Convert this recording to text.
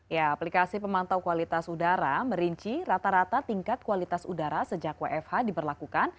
ya aplikasi pemantau kualitas udara merinci rata rata tingkat kualitas udara sejak wfh diberlakukan